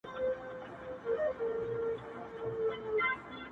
په لمن کي یې ور واچول قندونه-